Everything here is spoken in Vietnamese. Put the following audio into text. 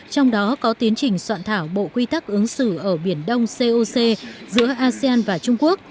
trong đó có tiến trình soạn thảo bộ quy tắc ứng xử ở biển đông coc giữa asean và trung quốc